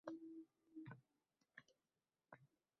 Yoningizga endi bormayman.